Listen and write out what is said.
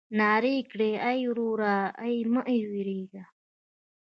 نارې يې کړې ای وروره ای مه وېرېږه.